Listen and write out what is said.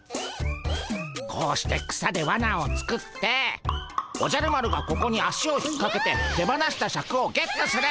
こうして草でわなを作っておじゃる丸がここに足を引っかけて手放したシャクをゲットする。